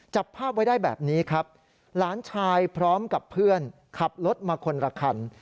จับภาพไว้ได้แบบนี้ครับหลานชายพร้อมกับเพื่อนขับรถมาคนละคัน